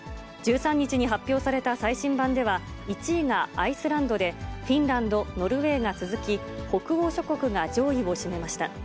１３日に発表された最新版では、１位がアイスランドで、フィンランド、ノルウェーが続き、北欧諸国が上位を占めました。